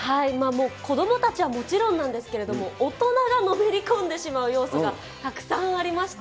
もう子どもたちはもちろんなんですけれども、大人がのめり込んでしまう要素がたくさんありま